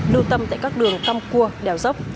lưu tâm tại các đường căm cua đèo dốc